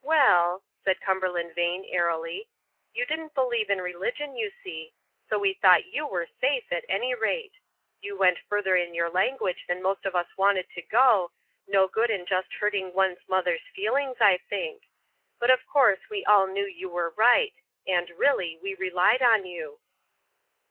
"Well," said Cumberland Vane, airily, "you didn't believe in religion, you see so we thought you were safe at any rate. You went further in your language than most of us wanted to go; no good in just hurting one's mother's feelings, I think. But of course we all knew you were right, and, really, we relied on you."